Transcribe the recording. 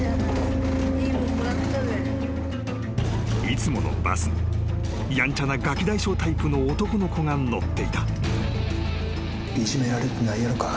［いつものバスにやんちゃながき大将タイプの男の子が乗っていた］